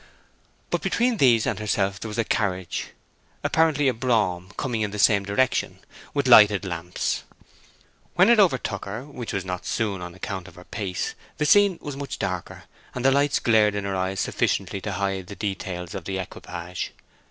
But between these and herself there was a carriage, apparently a brougham, coming in the same direction, with lighted lamps. When it overtook her—which was not soon, on account of her pace—the scene was much darker, and the lights glared in her eyes sufficiently to hide the details of the equipage.